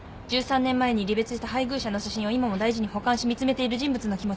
１３年前に離別した配偶者の写真を今も大事に保管し見詰めている人物の気持ちを。